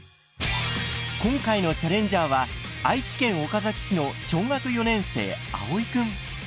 今回のチャレンジャーは愛知県岡崎市の小学４年生あおいくん。